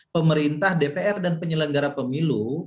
pemerintah dpr dan penyelenggara pemilu